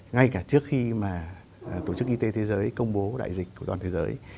ngay cả trước khi mà tổ chức y tế thế giới công bố đại dịch của toàn thế giới